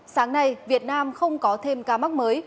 sáng nay việt nam không có thêm ca mắc mới